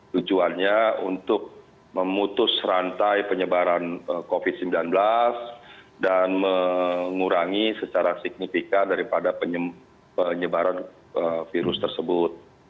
tujuannya untuk memutus rantai penyebaran covid sembilan belas dan mengurangi secara signifikan daripada penyebaran virus tersebut